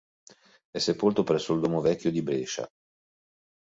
È sepolto presso il duomo vecchio di Brescia.